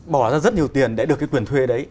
bỏ ra rất nhiều tiền để được cái quyền thuê đấy